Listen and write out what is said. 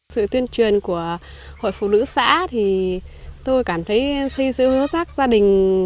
sự tuyên truyền của hội phụ nữ xã thì tôi cảm thấy xây dựng hố rác gia đình